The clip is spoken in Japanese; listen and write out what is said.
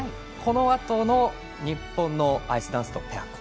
このあとの日本のアイスダンスとペア